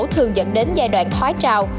thường dẫn đến giai đoạn thoái trào